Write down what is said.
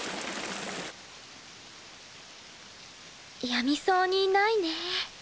やみそうにないね。